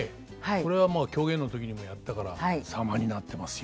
これはまあ狂言の時にもやったから様になってますよ。